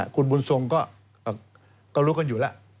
คุณบุญทรงก็รู้กันอยู่แล้ว